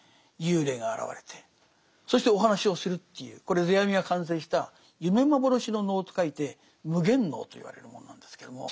幽霊が現れてそしてお話をするというこれ世阿弥が完成した夢幻の能と書いて「夢幻能」と言われるものなんですけども。